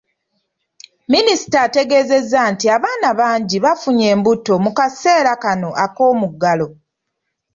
Minisita ategeezezza nti abaana bangi bafunye embuto mu kaseera kano ak’omuggalo.